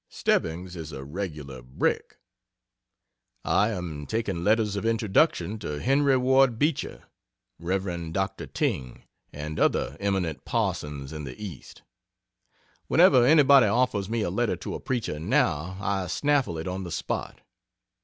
Stebbings is a regular brick. I am taking letters of introduction to Henry Ward Beecher, Rev. Dr. Tyng, and other eminent parsons in the east. Whenever anybody offers me a letter to a preacher, now I snaffle it on the spot.